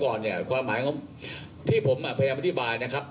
คือนี้คำว่าต่างเตรียมไว้ก่อนความหมายคือที่ผมพยายามอธิบายนะครับ